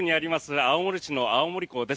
青森市の青森港です。